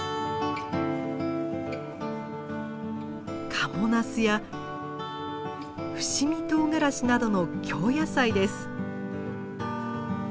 賀茂ナスや伏見とうがらしなどの京野菜です。